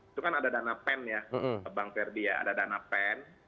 itu kan ada dana pen ya bang ferdi ya ada dana pen